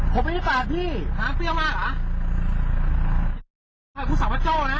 ก็อย่างน้อยครับ